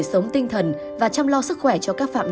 chăm lo đời sống tinh thần và chăm lo sức khỏe cho các phạm nhân